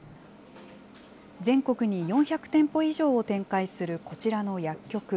全国に４００店舗以上を展開するこちらの薬局。